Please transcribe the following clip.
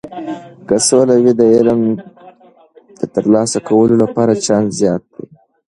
که سوله وي، د علم د ترلاسه کولو لپاره چانس زیات دی.